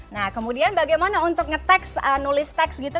nah kemudian bagaimana untuk ngeteks nulis teks gitu